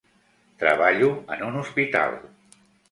Treballo en un hospital.